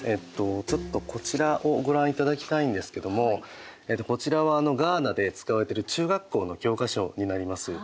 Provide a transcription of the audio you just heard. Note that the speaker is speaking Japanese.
ちょっとこちらをご覧いただきたいんですけどもこちらはガーナで使われてる中学校の教科書になります。